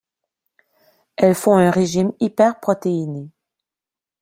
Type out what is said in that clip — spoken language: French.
Elles font un régime hyper protéiné.